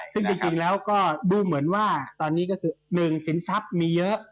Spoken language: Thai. ซึ่งจริงแล้วก็ดูเหมือนว่าตอนนี้ก็คือ๑สินทรัพย์มีเยอะ